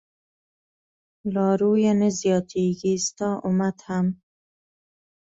لارويه نه زياتېږي ستا امت هم